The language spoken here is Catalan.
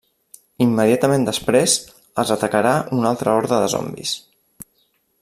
Immediatament després, els atacarà una altra horda de zombis.